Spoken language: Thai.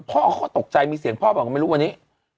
พ่อเขาก็ตกใจมีเสียงพ่อบอกก็ไม่รู้วันนี้